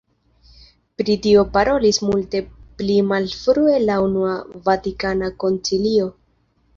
Pri tio parolis multe pli malfrue la Unua Vatikana Koncilio.